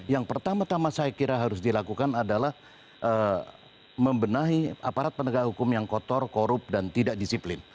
yang pertama tama saya kira harus dilakukan adalah membenahi aparat penegak hukum yang kotor korup dan tidak disiplin